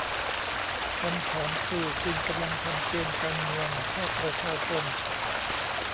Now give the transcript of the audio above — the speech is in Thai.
คำถามคือคุณกำลังทำเกมการเมืองภาคประชาชน